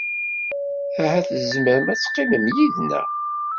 Ahat tzemrem ad teqqimem yid-neɣ.